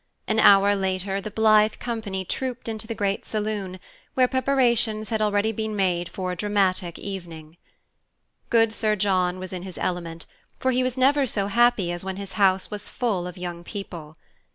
An hour later, the blithe company trooped into the great saloon, where preparations had already been made for a dramatic evening. Good Sir John was in his element, for he was never so happy as when his house was full of young people.